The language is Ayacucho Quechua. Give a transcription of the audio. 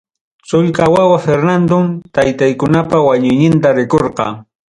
Sullka wawa Fernandom, taytankunapa wañuyninta rikurqa.